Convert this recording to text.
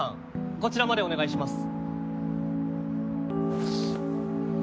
こちらまでお願いします